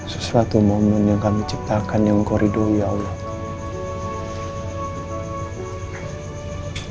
sesuatu momen yang kami ciptakan yang engkau ridhoi allah